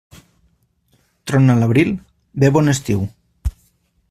Trona a l'abril, ve bon estiu.